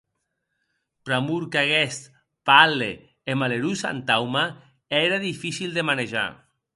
Pr’amor qu’aguest palle e malerós hantauma ère difícil de manejar.